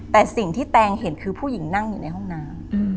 แต่สิ่งที่แตงเห็นคือผู้หญิงนั่งอยู่ในห้องน้ำ